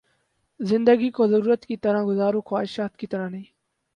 زندگی کو ضرورت کی طرح گزارو، خواہش کی طرح نہیں